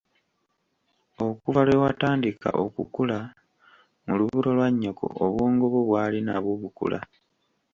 Okuva lwe watandika okukula mu lubuto lwa nnyoko obwongo bwo bwali nabwo bukula